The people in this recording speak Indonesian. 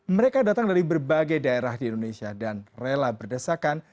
mereka datang dari berbagai daerah di indonesia dan rela berdesakan